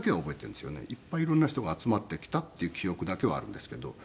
いっぱい色んな人が集まってきたっていう記憶だけはあるんですけど。